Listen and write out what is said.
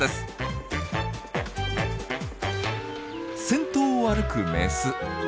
先頭を歩くメス。